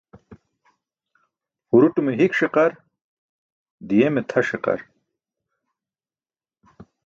Huruṭume hik ṣiqar, di̇yeme tʰa ṣiqar.